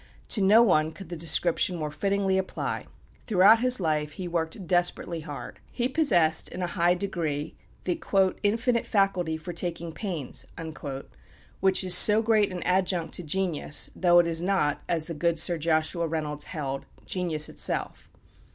To no one could the description more fittingly apply. Throughout his life he worked desperately hard. He possessed, in a high degree, the "infinite faculty for taking pains," which is so great an adjunct to genius, though it is not, as the good Sir Joshua Reynolds held, genius itself.